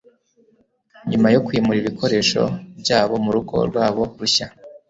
nyuma yo kwimura ibikoresho byabo mu rugo rwabo rushya